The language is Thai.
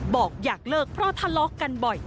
บอกอยากเลิกเพราะทะเลาะกันบ่อย